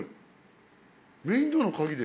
「メインドアの鍵で」。